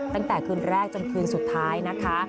ตั้งแต่คืนแรกจนคืนสุดท้ายนะคะ